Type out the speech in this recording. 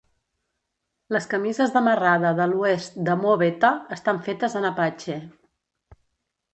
Les camises de marrada de l'oest de Mo Betta estan fetes en Apache.